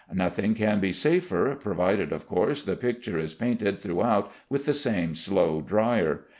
Nothing can be safer, provided of course the picture is painted throughout with the same slow drier.